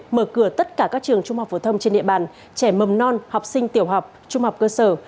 mở cửa tất cả các trường trung học phổ thông trên địa bàn trẻ mầm non học sinh tiểu học trung học cơ sở